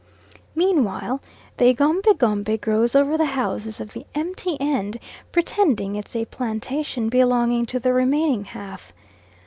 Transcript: Meanwhile, the egombie gombie grows over the houses of the empty end, pretending it's a plantation belonging to the remaining half.